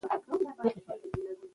د نجونو تعليم ستونزې روښانه کوي.